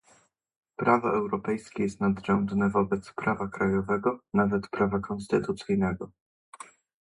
Prawo europejskie jest nadrzędne wobec prawa krajowego, nawet prawa konstytucyjnego